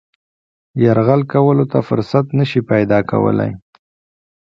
یرغل کولو ته فرصت نه شي پیدا کولای.